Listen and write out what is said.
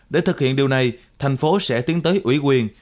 để thực hiện điều này thành phố sẽ tiến tới ủy quyền